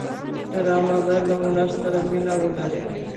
ډرامه باید له هنر سره مینه ولري